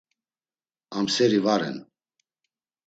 Amseri va ren.